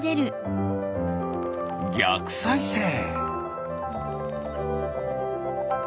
ぎゃくさいせい！